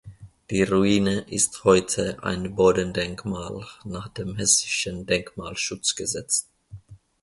Die Ruine ist heute ein Bodendenkmal nach dem Hessischen Denkmalschutzgesetz.